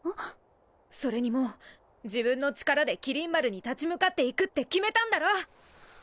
それにもう自分の力で麒麟丸に立ち向かっていくって決めたんだろ！？